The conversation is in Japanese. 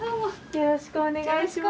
よろしくお願いします。